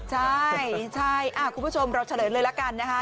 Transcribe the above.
ใช่ใช่คุณผู้ชมเราเฉลยเลยละกันนะคะ